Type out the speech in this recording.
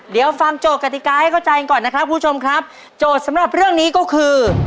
เดี๋ยวฟังโจทย์กติกาให้เข้าใจก่อนนะครับคุณผู้ชมครับโจทย์สำหรับเรื่องนี้ก็คือ